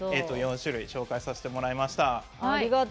４種類紹介させていただきました。